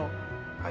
はい？